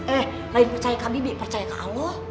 eh lain percaya kak bibi percaya kak allah